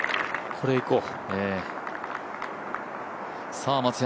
これ、いこう。